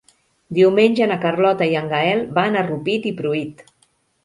Diumenge na Carlota i en Gaël van a Rupit i Pruit.